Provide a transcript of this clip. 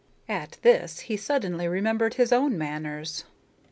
At this he suddenly remembered his own manners.